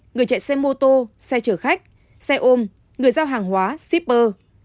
người chạy xe mô tô xe chở khách xe ôm người giao hàng hóa shipper